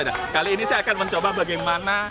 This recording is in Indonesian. nah kali ini saya akan mencoba bagaimana